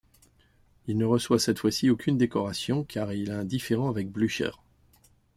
Il ne reçoit cette fois-ci aucune décoration, car il a un différend avec Blücher.